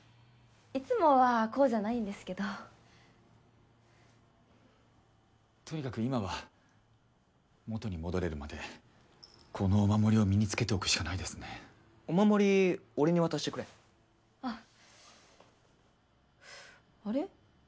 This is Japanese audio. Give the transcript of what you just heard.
いつもはこうじゃないんですけどとにかく今は元に戻れるまでこのお守りを身につけておくしかないですねお守り俺に渡してくれああれ？